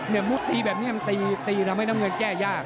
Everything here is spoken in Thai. เนี่ยมุฒิตีแบบนี้ตีทำให้น้ำเงินแก้ยาก